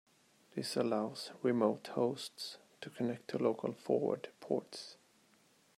This allows remote hosts to connect to local forwarded ports.